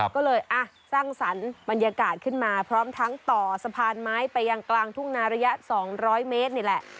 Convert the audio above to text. ก็เลยสร้างสรรค์บรรยากาศขึ้นมาพร้อมทั้งต่อสะพานไม้ไปยังกลางทุ่งนาระยะ๒๐๐เมตรนี่แหละ